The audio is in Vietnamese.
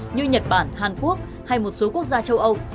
như nhật bản hàn quốc hay một số quốc gia châu âu